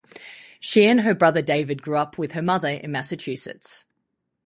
She and her brother David grew up with her mother in Massachusetts.